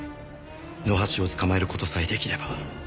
野橋を捕まえる事さえ出来れば。